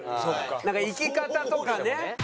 なんか生き方とかね。